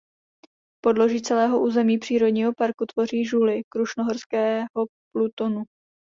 Podloží celého území přírodního parku tvoří žuly krušnohorského plutonu.